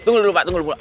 tunggu dulu pak